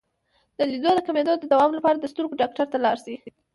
د لید د کمیدو د دوام لپاره د سترګو ډاکټر ته لاړ شئ